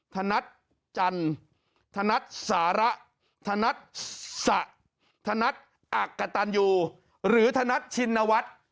ธนัดจันทร์ธนัดสาระธนัดสะธนัดอักตันอยู่หรือธนัดชินวัตร